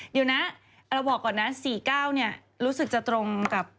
เดี๋ยวนะเราบอกก่อนนะ๔๙รู้สึกจะตรงกับ